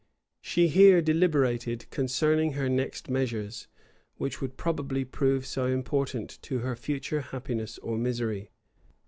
She here deliberated concerning her next measures, which would probably prove so important to her future happiness or misery.